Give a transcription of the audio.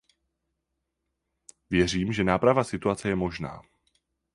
Věřím, že náprava situace je možná.